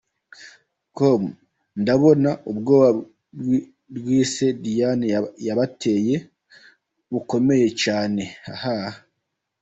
Com? Ndabona ubwoba rwise Diane yabateye bukomeye cyane hhhh.